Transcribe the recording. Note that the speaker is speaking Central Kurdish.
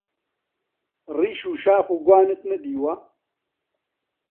ڕیش و شاخ و گوانت نەدیوە؟!